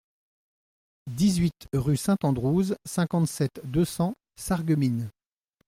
dix-huit rue St Andrews, cinquante-sept, deux cents, Sarreguemines